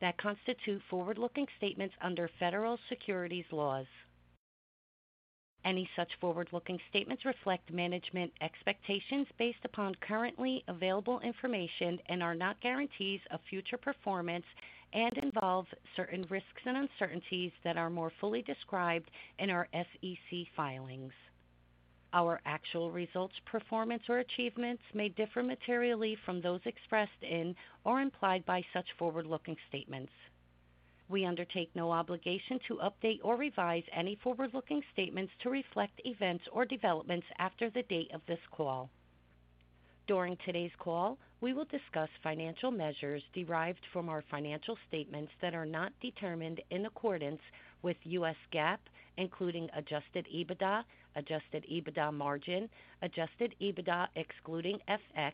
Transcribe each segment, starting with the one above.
That constitute forward-looking statements under federal securities laws. Any such forward-looking statements reflect management expectations based upon currently available information and are not guarantees of future performance, and involve certain risks and uncertainties that are more fully described in our SEC filings. Our actual results, performance, or achievements may differ materially from those expressed in or implied by such forward-looking statements. We undertake no obligation to update or revise any forward-looking statements to reflect events or developments after the date of this call. During today's call, we will discuss financial measures derived from our financial statements that are not determined in accordance with U.S. GAAP, including adjusted EBITDA, adjusted EBITDA margin, adjusted EBITDA excluding FX,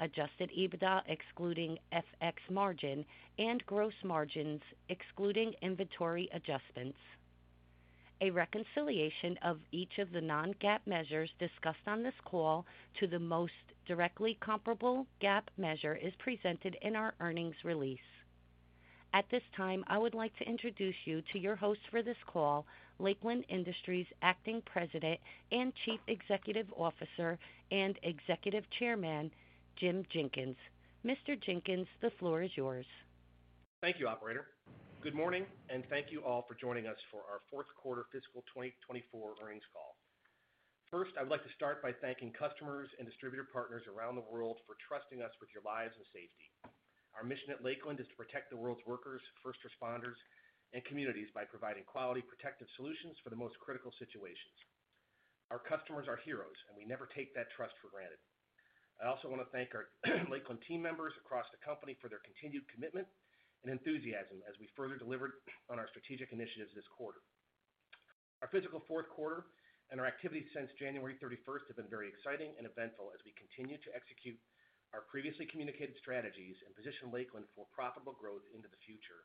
adjusted EBITDA excluding FX margin, and gross margins excluding inventory adjustments. A reconciliation of each of the Non-GAAP measures discussed on this call to the most directly comparable GAAP measure is presented in our earnings release. At this time, I would like to introduce you to your host for this call, Lakeland Industries' Acting President and Chief Executive Officer and Executive Chairman, Jim Jenkins. Mr. Jenkins, the floor is yours. Thank you, Operator. Good morning, and thank you all for joining us for our fourth quarter fiscal 2024 earnings call. First, I'd like to start by thanking customers and distributor partners around the world for trusting us with your lives and safety. Our mission at Lakeland is to protect the world's workers, first responders, and communities by providing quality protective solutions for the most critical situations. Our customers are heroes, and we never take that trust for granted. I also want to thank our Lakeland team members across the company for their continued commitment and enthusiasm as we further delivered on our strategic initiatives this quarter. Our fiscal fourth quarter and our activities since January 31st have been very exciting and eventful as we continue to execute our previously communicated strategies and position Lakeland for profitable growth into the future.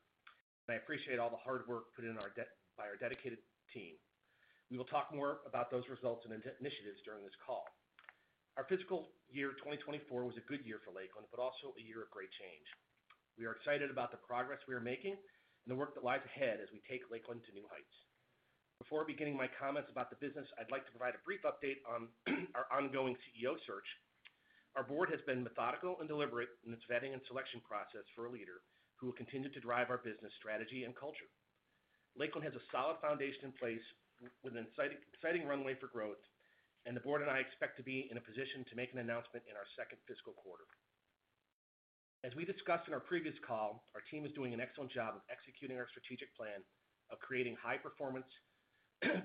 I appreciate all the hard work put in by our dedicated team. We will talk more about those results and initiatives during this call. Our fiscal year 2024 was a good year for Lakeland, but also a year of great change. We are excited about the progress we are making and the work that lies ahead as we take Lakeland to new heights. Before beginning my comments about the business, I'd like to provide a brief update on our ongoing CEO search. Our board has been methodical and deliberate in its vetting and selection process for a leader who will continue to drive our business, strategy, and culture. Lakeland has a solid foundation in place with an exciting, exciting runway for growth, and the board and I expect to be in a position to make an announcement in our second fiscal quarter. As we discussed in our previous call, our team is doing an excellent job of executing our strategic plan of creating high performance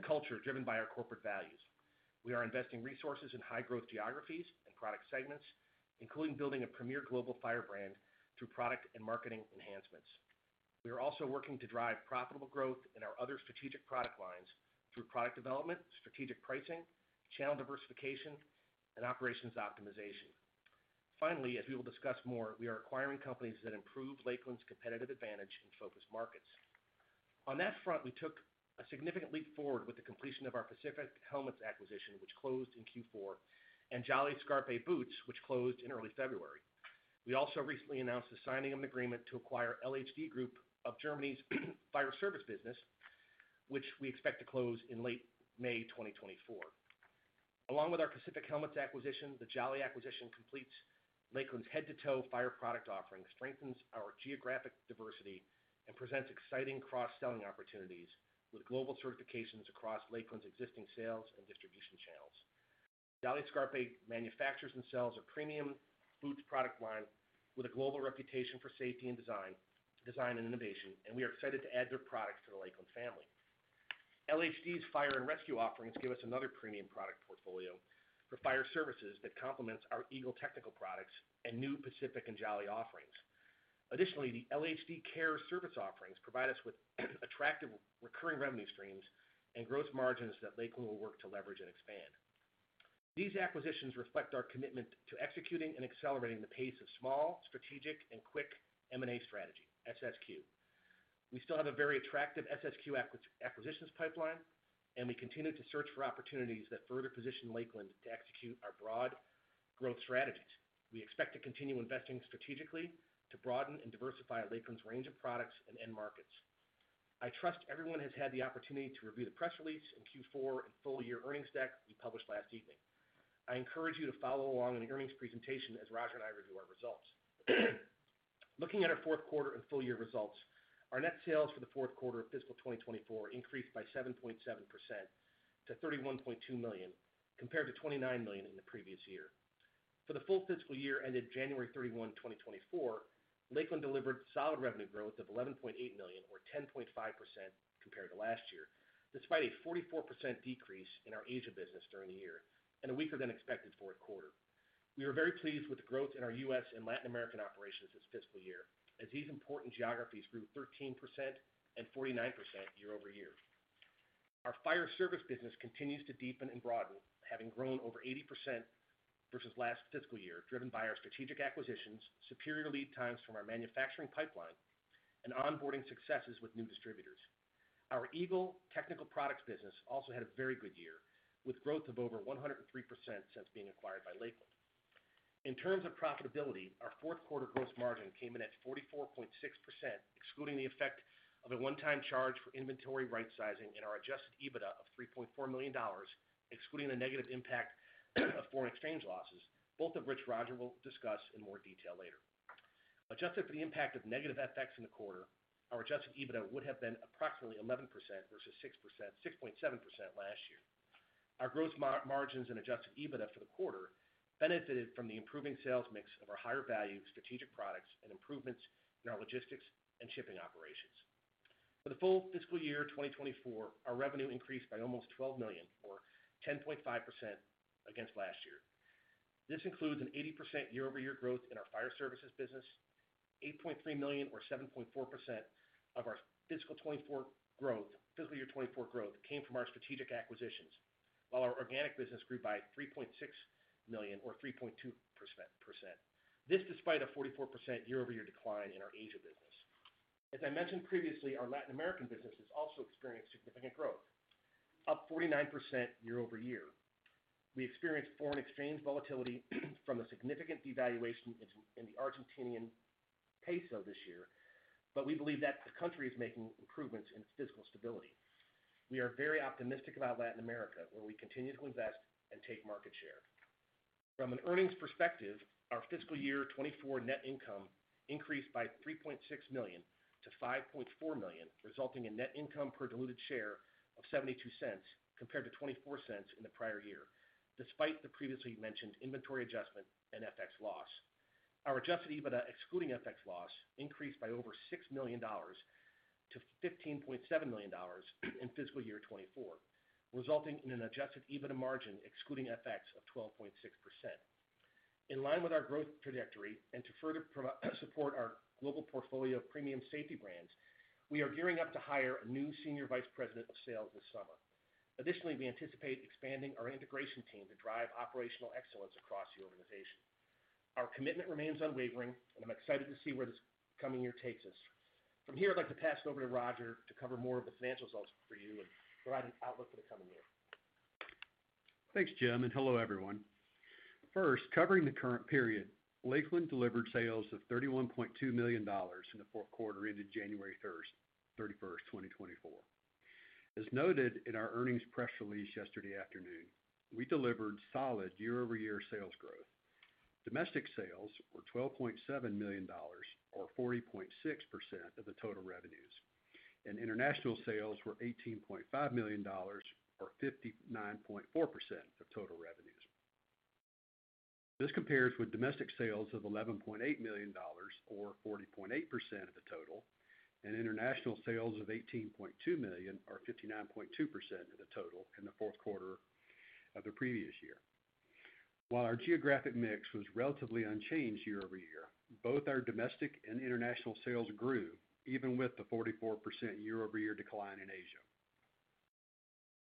culture driven by our corporate values. We are investing resources in high growth geographies and product segments, including building a premier global fire brand through product and marketing enhancements. We are also working to drive profitable growth in our other strategic product lines through product development, strategic pricing, channel diversification, and operations optimization. Finally, as we will discuss more, we are acquiring companies that improve Lakeland's competitive advantage in focused markets. On that front, we took a significant leap forward with the completion of our Pacific Helmets acquisition, which closed in Q4, and Jolly Scarpe boots, which closed in early February. We also recently announced the signing of an agreement to acquire LHD Group Germany's Fire Service business, which we expect to close in late May 2024. Along with our Pacific Helmets acquisition, the Jolly acquisition completes Lakeland's head-to-toe fire product offering, strengthens our geographic diversity, and presents exciting cross-selling opportunities with global certifications across Lakeland's existing sales and distribution channels. Jolly Scarpe manufactures and sells a premium boots product line with a global reputation for safety and design and innovation, and we are excited to add their products to the Lakeland family. LHD's Fire & Rescue offerings give us another premium product portfolio for Fire Services that complements our Eagle Technical Products and new Pacific and Jolly offerings. Additionally, the LHD Care service offerings provide us with attractive recurring revenue streams and gross margins that Lakeland will work to leverage and expand. These acquisitions reflect our commitment to executing and accelerating the pace of small, strategic, and quick M&A strategy, SSQ. We still have a very attractive SSQ acquisitions pipeline, and we continue to search for opportunities that further position Lakeland to execute our broad growth strategies. We expect to continue investing strategically to broaden and diversify Lakeland's range of products and end markets. I trust everyone has had the opportunity to review the press release in Q4 and full year earnings deck we published last evening. I encourage you to follow along in the earnings presentation as Roger and I review our results. Looking at our fourth quarter and full year results, our net sales for the fourth quarter of fiscal 2024 increased by 7.7% to $31.2 million, compared to $29 million in the previous year. For the full fiscal year ended January 31, 2024, Lakeland delivered solid revenue growth of $11.8 million, or 10.5% compared to last year. Despite a 44% decrease in our Asia business during the year and a weaker than expected fourth quarter, we are very pleased with the growth in our U.S. and Latin American operations this fiscal year, as these important geographies grew 13% and 49% year-over-year. Our Fire Service business continues to deepen and broaden, having grown over 80% versus last fiscal year, driven by our strategic acquisitions, superior lead times from our manufacturing pipeline, and onboarding successes with new distributors. Our Eagle Technical Products business also had a very good year, with growth of over 103% since being acquired by Lakeland. In terms of profitability, our fourth quarter gross margin came in at 44.6%, excluding the effect of a one-time charge for inventory rightsizing, and our adjusted EBITDA of $3.4 million, excluding the negative impact of foreign exchange losses, both of which Roger will discuss in more detail later. Adjusted for the impact of negative FX in the quarter, our adjusted EBITDA would have been approximately 11% versus 6.7% last year. Our gross margins and adjusted EBITDA for the quarter benefited from the improving sales mix of our higher value strategic products and improvements in our logistics and shipping operations. For the full fiscal year 2024, our revenue increased by almost $12 million, or 10.5% against last year. This includes an 80% year-over-year growth in our Fire Services business, $8.3 million or 7.4% of our fiscal 2024 growth, fiscal year 2024 growth came from our strategic acquisitions, while our organic business grew by $3.6 million or 3.2%. This, despite a 44% year-over-year decline in our Asia business. As I mentioned previously, our Latin American business has also experienced significant growth, up 49% year-over-year. We experienced foreign exchange volatility from a significant devaluation in the Argentine peso this year, but we believe that the country is making improvements in its fiscal stability. We are very optimistic about Latin America, where we continue to invest and take market share. From an earnings perspective, our fiscal year 2024 net income increased by $3.6 million to $5.4 million, resulting in net income per diluted share of $0.72, compared to $0.24 in the prior year, despite the previously mentioned inventory adjustment and FX loss. Our adjusted EBITDA, excluding FX loss, increased by over $6 million to $15.7 million in fiscal year 2024, resulting in an adjusted EBITDA margin, excluding FX, of 12.6%. In line with our growth trajectory and to further support our global portfolio of premium safety brands, we are gearing up to hire a new senior vice president of sales this summer. Additionally, we anticipate expanding our integration team to drive operational excellence across the organization. Our commitment remains unwavering, and I'm excited to see where this coming year takes us. From here, I'd like to pass it over to Roger to cover more of the financial results for you and provide an outlook for the coming year. Thanks, Jim, and hello, everyone. First, covering the current period, Lakeland delivered sales of $31.2 million in the fourth quarter ended January 31st, 2024. As noted in our earnings press release yesterday afternoon, we delivered solid year-over-year sales growth. Domestic sales were $12.7 million, or 40.6% of the total revenues, and international sales were $18.5 million, or 59.4% of total revenues. This compares with domestic sales of $11.8 million, or 40.8% of the total, and international sales of $18.2 million, or 59.2% of the total in the fourth quarter of the previous year. While our geographic mix was relatively unchanged year-over-year, both our domestic and international sales grew, even with the 44% year-over-year decline in Asia.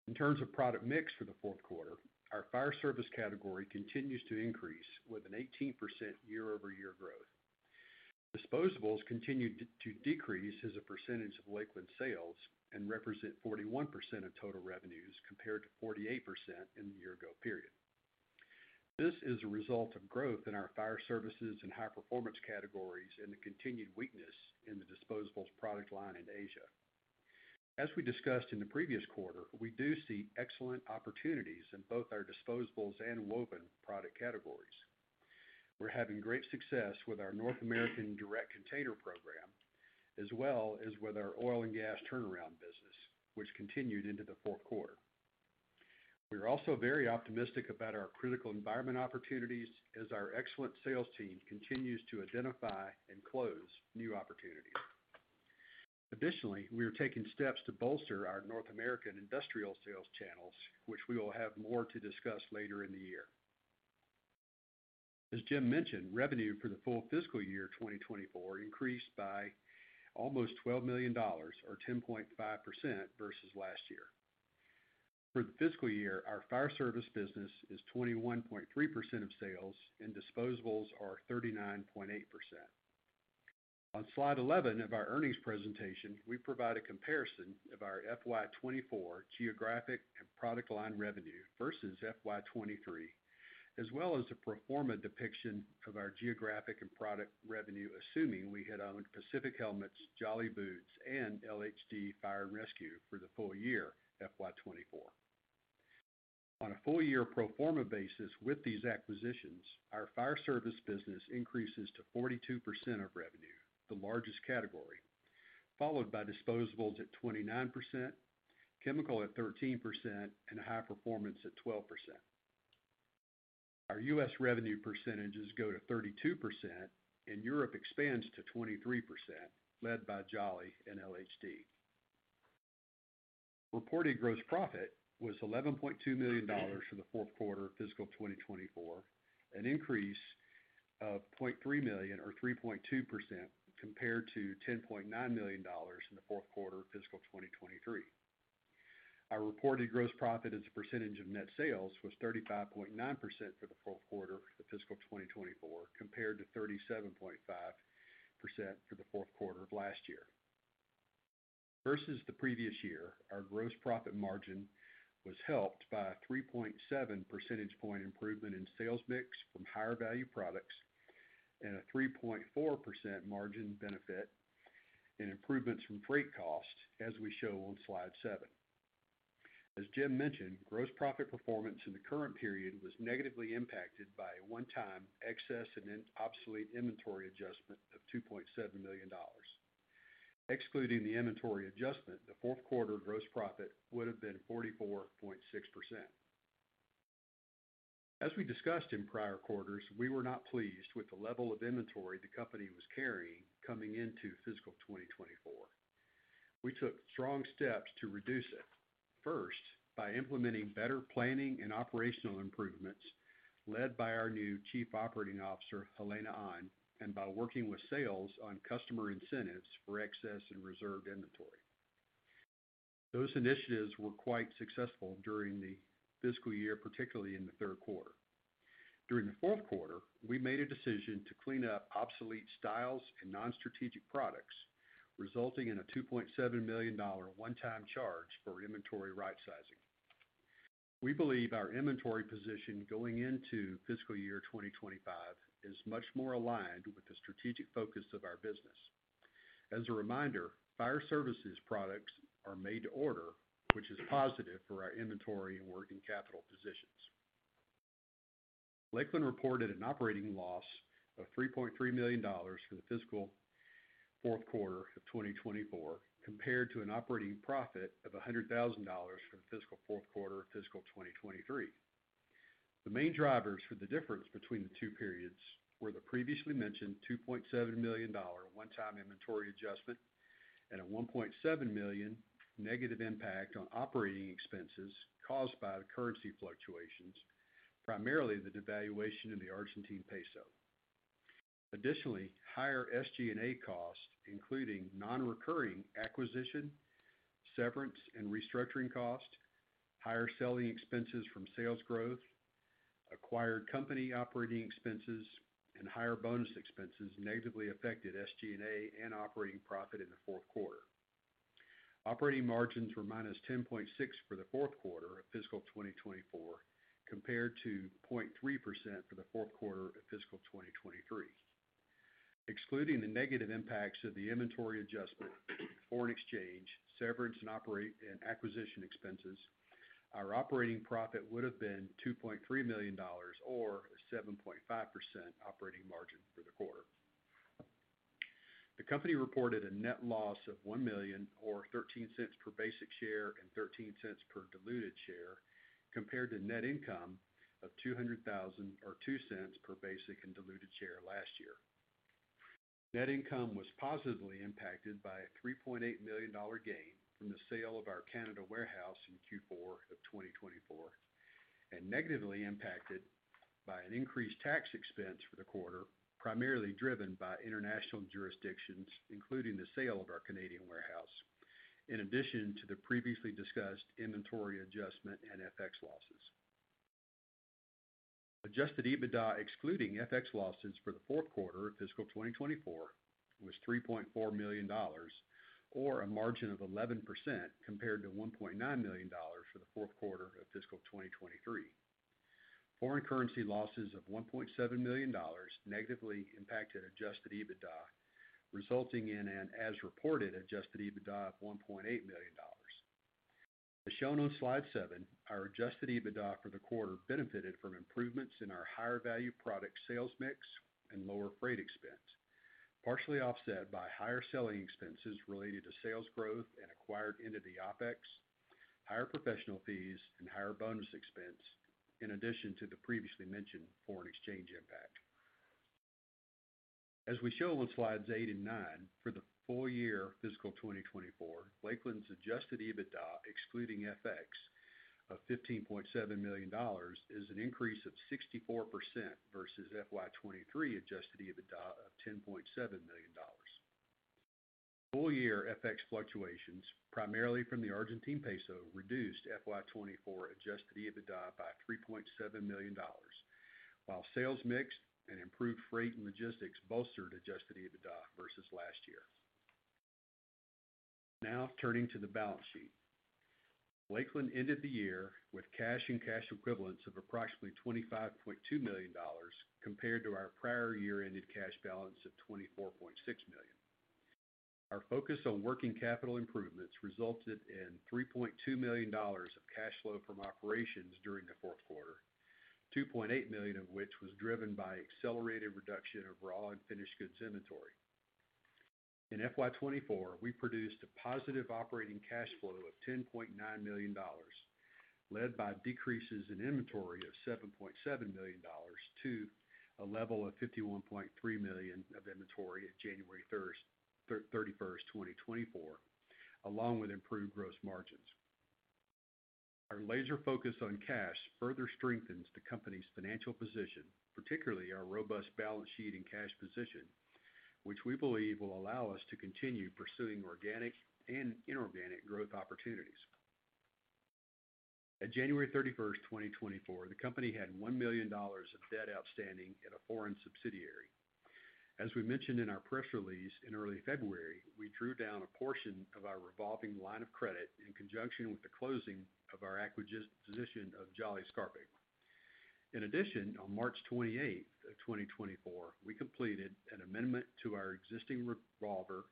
In terms of product mix for the fourth quarter, our Fire Service category continues to increase with an 18% year-over-year growth. Disposables continued to decrease as a percentage of Lakeland sales and represent 41% of total revenues, compared to 48% in the year ago period. This is a result of growth in our Fire Services and high performance categories and the continued weakness in the disposables product line in Asia. As we discussed in the previous quarter, we do see excellent opportunities in both our disposables and woven product categories. We're having great success with our North American Direct Container Program, as well as with our oil and gas turnaround business, which continued into the fourth quarter. We are also very optimistic about our critical environment opportunities as our excellent sales team continues to identify and close new opportunities. Additionally, we are taking steps to bolster our North American industrial sales channels, which we will have more to discuss later in the year. As Jim mentioned, revenue for the full fiscal year 2024 increased by almost $12 million or 10.5% versus last year. For the fiscal year, our Fire Service business is 21.3% of sales, and disposables are 39.8% of sales. On slide 11 of our earnings presentation, we provide a comparison of our FY 2024 geographic and product line revenue versus FY 2023, as well as a pro forma depiction of our geographic and product revenue, assuming we had owned Pacific Helmets, Jolly boots, and LHD Fire & Rescue for the full year, FY 2024. On a full year pro forma basis, with these acquisitions, our Fire Service business increases to 42% of revenue, the largest category, followed by disposables at 29%, chemical at 13%, and high performance at 12%. Our U.S. revenue percentages go to 32%, and Europe expands to 23%, led by Jolly and LHD. Reported gross profit was $11.2 million in the fourth quarter of fiscal 2024, an increase of $0.3 million or 3.2% compared to $10.9 million in the fourth quarter of fiscal 2023. Our reported gross profit as a percentage of net sales was 35.9% for the fourth quarter of fiscal 2024, compared to 37.5% for the fourth quarter of last year. Versus the previous year, our gross profit margin was helped by a 3.7 percentage point improvement in sales mix from higher value products and a 3.4% margin benefit in improvements from freight costs, as we show on slide seven. As Jim mentioned, gross profit performance in the current period was negatively impacted by a one-time excess and an obsolete inventory adjustment of $2.7 million. Excluding the inventory adjustment, the fourth quarter gross profit would have been 44.6%. As we discussed in prior quarters, we were not pleased with the level of inventory the company was carrying coming into fiscal 2024. We took strong steps to reduce it, first, by implementing better planning and operational improvements led by our new Chief Operating Officer, Helena An, and by working with sales on customer incentives for excess and reserved inventory. Those initiatives were quite successful during the fiscal year, particularly in the third quarter. During the fourth quarter, we made a decision to clean up obsolete styles and non-strategic products, resulting in a $2.7 million one-time charge for inventory right-sizing. We believe our inventory position going into fiscal year 2025 is much more aligned with the strategic focus of our business. As a reminder, Fire Services products are made to order, which is positive for our inventory and working capital positions. Lakeland reported an operating loss of $3.3 million for the fiscal fourth quarter of 2024, compared to an operating profit of $100,000 for the fiscal fourth quarter of fiscal 2023. The main drivers for the difference between the two periods were the previously mentioned $2.7 million one-time inventory adjustment and a $1.7 million negative impact on operating expenses caused by the currency fluctuations, primarily the devaluation in the Argentine peso. Additionally, higher SG&A costs, including non-recurring acquisition, severance, and restructuring costs, higher selling expenses from sales growth, acquired company operating expenses, and higher bonus expenses, negatively affected SG&A and operating profit in the fourth quarter. Operating margins were -10.6% for the fourth quarter of fiscal 2024, compared to 0.3% for the fourth quarter of fiscal 2023. Excluding the negative impacts of the inventory adjustment, foreign exchange, severance, operating, and acquisition expenses, our operating profit would have been $2.3 million or 7.5% operating margin for the quarter. The company reported a net loss of $1 million or $0.13 per basic share and $0.13 per diluted share, compared to net income of $200,000 or $0.02 per basic and diluted share last year. Net income was positively impacted by a $3.8 million gain from the sale of our Canadian warehouse in Q4 of 2024, and negatively impacted by an increased tax expense for the quarter, primarily driven by international jurisdictions, including the sale of our Canadian warehouse, in addition to the previously discussed inventory adjustment and FX losses. Adjusted EBITDA, excluding FX losses for the fourth quarter of fiscal 2024, was $3.4 million or a margin of 11%, compared to $1.9 million for the fourth quarter of fiscal 2023. Foreign currency losses of $1.7 million negatively impacted Adjusted EBITDA, resulting in an as-reported Adjusted EBITDA of $1.8 million. As shown on slide 7, our Adjusted EBITDA for the quarter benefited from improvements in our higher value product sales mix and lower freight expense, partially offset by higher selling expenses related to sales growth and acquired entity OpEx, higher professional fees, and higher bonus expense, in addition to the previously mentioned foreign exchange impact. As we show on slides eight and nine, for the full year fiscal 2024, Lakeland's Adjusted EBITDA, excluding FX, of $15.7 million, is an increase of 64% versus FY 2023 Adjusted EBITDA of $10.7 million. Full-year FX fluctuations, primarily from the Argentine peso, reduced FY 2024 adjusted EBITDA by $3.7 million, while sales mix and improved freight and logistics bolstered adjusted EBITDA versus last year. Now, turning to the balance sheet. Lakeland ended the year with cash and cash equivalents of approximately $25.2 million, compared to our prior year-ended cash balance of $24.6 million. Our focus on working capital improvements resulted in $3.2 million of cash flow from operations during the fourth quarter, $2.8 million of which was driven by accelerated reduction of raw and finished goods inventory. In FY 2024, we produced a positive operating cash flow of $10.9 million, led by decreases in inventory of $7.7 million to a level of $51.3 million of inventory at January 31st, 2024, along with improved gross margins. Our laser focus on cash further strengthens the company's financial position, particularly our robust balance sheet and cash position... which we believe will allow us to continue pursuing organic and inorganic growth opportunities. At January 31st, 2024, the company had $1 million of debt outstanding at a foreign subsidiary. As we mentioned in our press release in early February, we drew down a portion of our revolving line of credit in conjunction with the closing of our acquisition of Jolly Scarpe. In addition, on March 28th, 2024, we completed an amendment to our existing revolver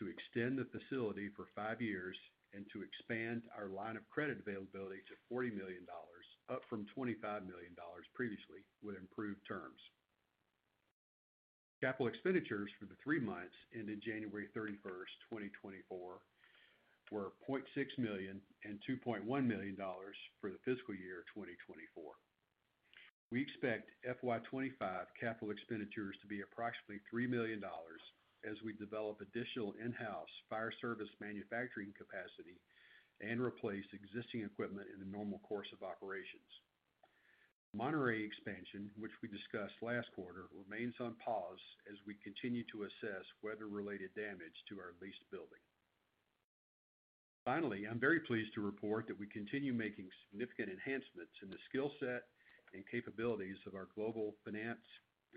to extend the facility for five years and to expand our line of credit availability to $40 million, up from $25 million previously, with improved terms. Capital expenditures for the three months ended January 31st, 2024, were $0.6 million and $2.1 million for the fiscal year 2024. We expect FY 2025 capital expenditures to be approximately $3 million as we develop additional in-house Fire Service manufacturing capacity and replace existing equipment in the normal course of operations. The Monterrey expansion, which we discussed last quarter, remains on pause as we continue to assess weather-related damage to our leased building. Finally, I'm very pleased to report that we continue making significant enhancements in the skill set and capabilities of our global finance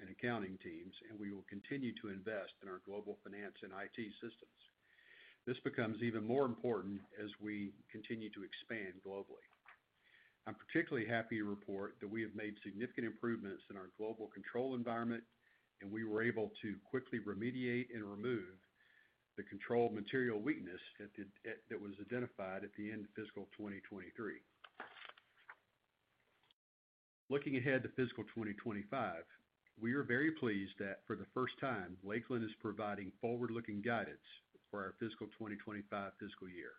and accounting teams, and we will continue to invest in our global finance and IT systems. This becomes even more important as we continue to expand globally. I'm particularly happy to report that we have made significant improvements in our global control environment, and we were able to quickly remediate and remove the material weakness that was identified at the end of fiscal 2023. Looking ahead to fiscal 2025, we are very pleased that for the first time, Lakeland is providing forward-looking guidance for our fiscal 2025 fiscal year.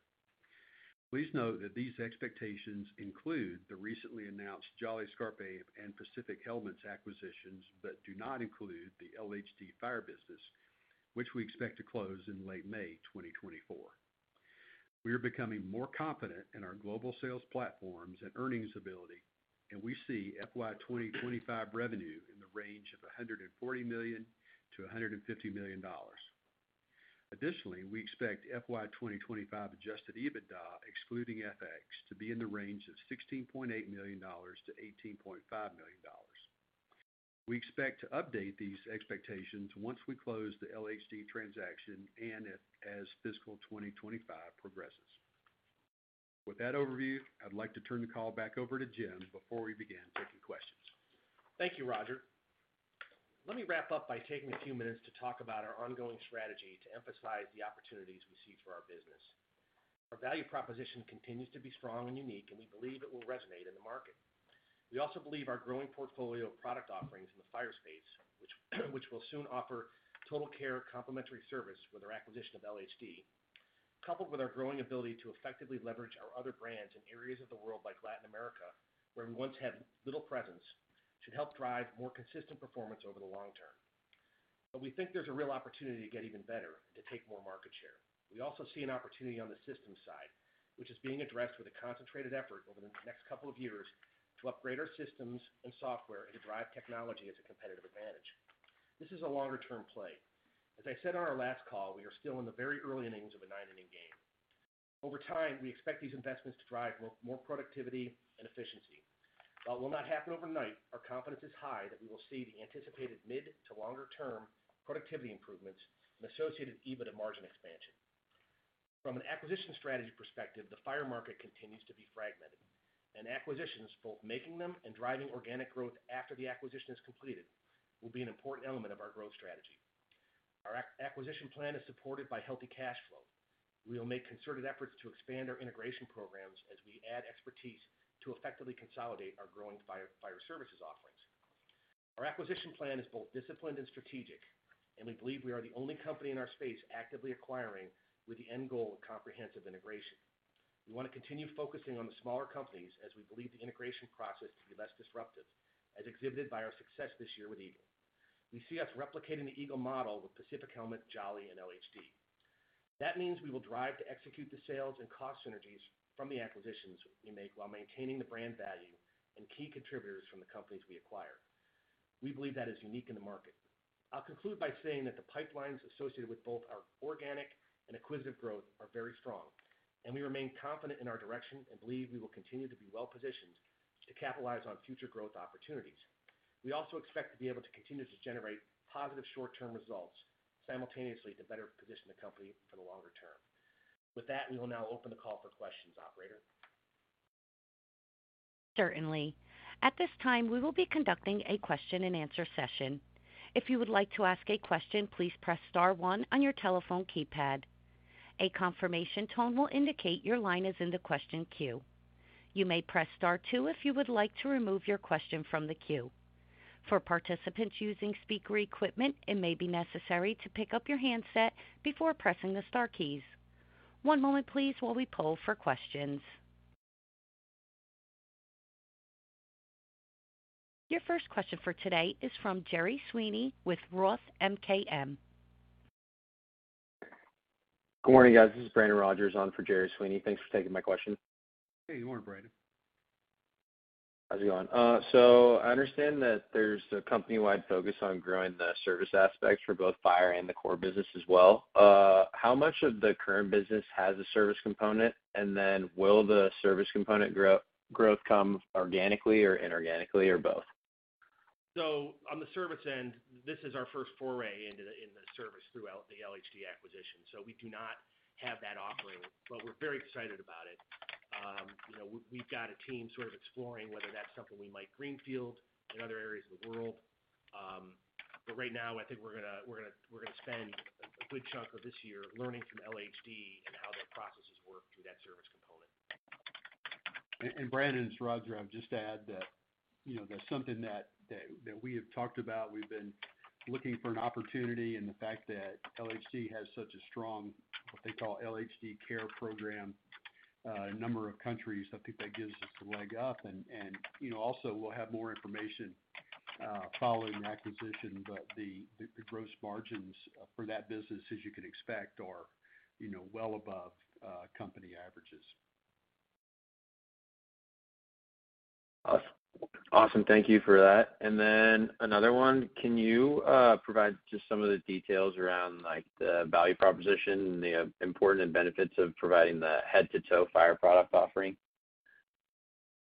Please note that these expectations include the recently announced Jolly Scarpe and Pacific Helmets acquisitions, but do not include the LHD Fire business, which we expect to close in late May 2024. We are becoming more confident in our global sales platforms and earnings ability, and we see FY 2025 revenue in the range of $140 million-$150 million. Additionally, we expect FY 2025 Adjusted EBITDA, excluding FX, to be in the range of $16.8 million-$18.5 million. We expect to update these expectations once we close the LHD transaction and as fiscal 2025 progresses. With that overview, I'd like to turn the call back over to Jim before we begin taking questions. Thank you, Roger. Let me wrap up by taking a few minutes to talk about our ongoing strategy to emphasize the opportunities we see for our business. Our value proposition continues to be strong and unique, and we believe it will resonate in the market. We also believe our growing portfolio of product offerings in the fire space, which will soon offer total care complimentary service with our acquisition of LHD, coupled with our growing ability to effectively leverage our other brands in areas of the world like Latin America, where we once had little presence, should help drive more consistent performance over the long term. But we think there's a real opportunity to get even better and to take more market share. We also see an opportunity on the systems side, which is being addressed with a concentrated effort over the next couple of years to upgrade our systems and software and to drive technology as a competitive advantage. This is a longer-term play. As I said on our last call, we are still in the very early innings of a nine-inning game. Over time, we expect these investments to drive more productivity and efficiency. While it will not happen overnight, our confidence is high that we will see the anticipated mid to longer-term productivity improvements and associated EBITDA margin expansion. From an acquisition strategy perspective, the fire market continues to be fragmented, and acquisitions, both making them and driving organic growth after the acquisition is completed, will be an important element of our growth strategy. Our acquisition plan is supported by healthy cash flow. We will make concerted efforts to expand our integration programs as we add expertise to effectively consolidate our growing fire, Fire Services offerings. Our acquisition plan is both disciplined and strategic, and we believe we are the only company in our space actively acquiring with the end goal of comprehensive integration. We want to continue focusing on the smaller companies, as we believe the integration process to be less disruptive, as exhibited by our success this year with Eagle. We see us replicating the Eagle model with Pacific Helmets, Jolly, and LHD. That means we will drive to execute the sales and cost synergies from the acquisitions we make while maintaining the brand value and key contributors from the companies we acquire. We believe that is unique in the market. I'll conclude by saying that the pipelines associated with both our organic and acquisitive growth are very strong, and we remain confident in our direction and believe we will continue to be well positioned to capitalize on future growth opportunities. We also expect to be able to continue to generate positive short-term results simultaneously to better position the company for the longer term. With that, we will now open the call for questions. Operator? Certainly. At this time, we will be conducting a question-and-answer session. If you would like to ask a question, please press star one on your telephone keypad. A confirmation tone will indicate your line is in the question queue. You may press star two if you would like to remove your question from the queue. For participants using speaker equipment, it may be necessary to pick up your handset before pressing the star keys. One moment please, while we poll for questions. Your first question for today is from Gerry Sweeney with Roth MKM. Good morning, guys. This is Brandon Rogers on for Gerry Sweeney. Thanks for taking my question. Hey, good morning, Brandon. How's it going? So I understand that there's a company-wide focus on growing the service aspects for both fire and the core business as well. How much of the current business has a service component? And then will the service component growth come organically or inorganically or both? So on the service end, this is our first foray into the service throughout the LHD acquisition. So we do not have that operating, but we're very excited about it. You know, we've got a team sort of exploring whether that's something we might greenfield in other areas of the world. But right now, I think we're gonna spend a good chunk of this year learning from LHD and how their processes work through that service component. Brandon, this is Roger. I'd just add that, you know, that's something that we have talked about. We've been looking for an opportunity, and the fact that LHD has such a strong, what they call LHD Care program, a number of countries, I think that gives us a leg up. And, you know, also, we'll have more information following the acquisition, but the gross margins for that business, as you can expect, are, you know, well above company averages. Awesome. Thank you for that. And then another one, can you provide just some of the details around, like, the value proposition and the important and benefits of providing the head-to-toe fire product offering?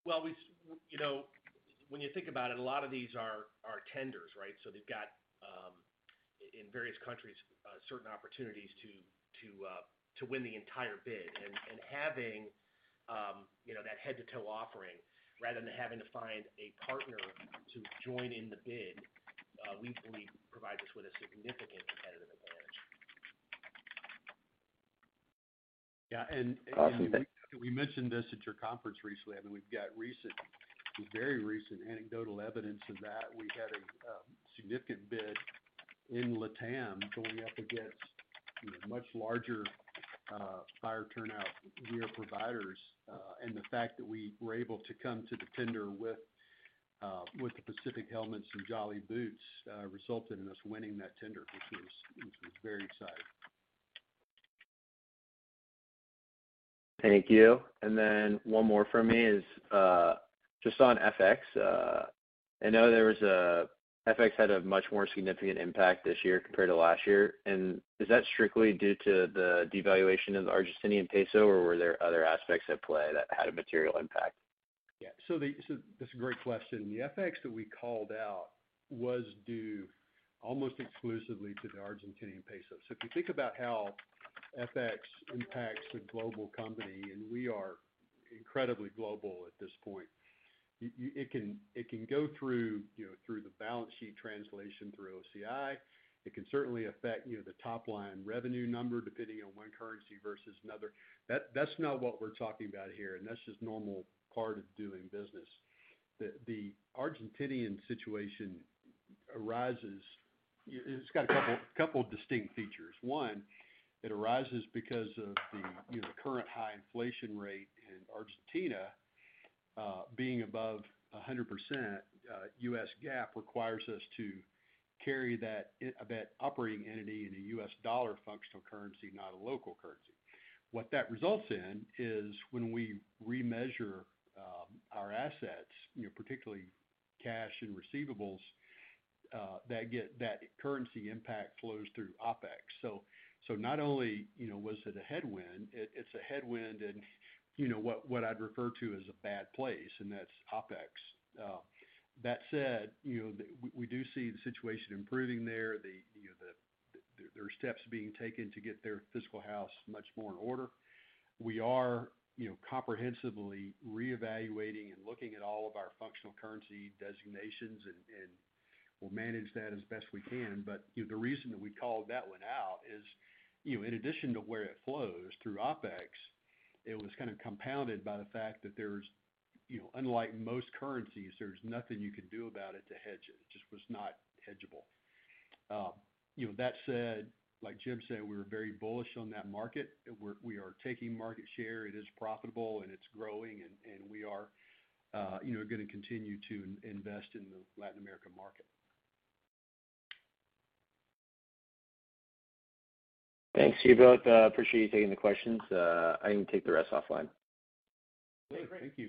Well, you know, when you think about it, a lot of these are tenders, right? So they've got in various countries certain opportunities to win the entire bid. And having, you know, that head-to-toe offering, rather than having to find a partner to join in the bid, we believe provides us with a significant competitive advantage. Yeah, and Awesome. We mentioned this at your conference recently. I mean, we've got recent, very recent anecdotal evidence of that. We had a significant bid in LATAM going up against, you know, much larger fire turnout gear providers. And the fact that we were able to come to the tender with the Pacific Helmets and Jolly boots resulted in us winning that tender, which was very exciting. Thank you. And then one more from me is just on FX. I know FX had a much more significant impact this year compared to last year. And is that strictly due to the devaluation of the Argentine peso, or were there other aspects at play that had a material impact? Yeah. So that's a great question. The FX that we called out was due almost exclusively to the Argentine peso. So if you think about how FX impacts a global company, and we are incredibly global at this point, you—it can go through, you know, through the balance sheet translation, through OCI. It can certainly affect, you know, the top-line revenue number, depending on one currency versus another. That's not what we're talking about here, and that's just normal part of doing business. The Argentine situation arises. It's got a couple of distinct features. One, it arises because of the, you know, current high inflation rate in Argentina, being above 100%, U.S. GAAP requires us to carry that operating entity in a U.S. dollar functional currency, not a local currency. What that results in is when we remeasure our assets, you know, particularly cash and receivables, that currency impact flows through OpEx. So not only, you know, was it a headwind, it's a headwind in, you know, what I'd refer to as a bad place, and that's OpEx. That said, you know, we do see the situation improving there. The, you know, there are steps being taken to get their physical house much more in order. We are, you know, comprehensively reevaluating and looking at all of our functional currency designations, and we'll manage that as best we can. But, you know, the reason that we called that one out is, you know, in addition to where it flows through OpEx, it was kind of compounded by the fact that there's, you know, unlike most currencies, there's nothing you can do about it to hedge it. It just was not hedgeable. You know, that said, like Jim said, we're very bullish on that market. We are taking market share. It is profitable, and it's growing, and we are, you know, gonna continue to invest in the Latin American market. Thanks to you both. Appreciate you taking the questions. I can take the rest offline. Great. Thank you.